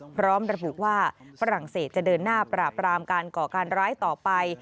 พร้อมระบุว่าฝรั่งเศสจะเดินหน้าปราบรามการก่อการร้ายต่อไป